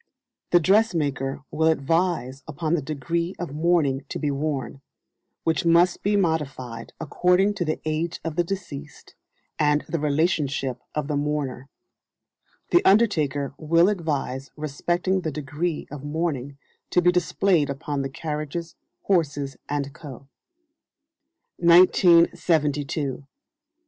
The dressmaker will advise upon the "degree" of mourning to be worn, which must be modified according to the age of the deceased, and the relationship of the mourner. The undertaker will advise respecting the degree of mourning to be displayed upon the carriages, horses, &c. [WE INCREASE OUR WEALTH WHEN WE LESSEN OUR DESIRES.] 1972.